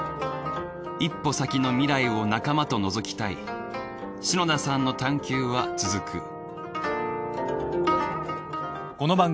一歩先の未来を仲間と覗きたい篠田さんの探究は続く。